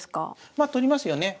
まあ取りますよね。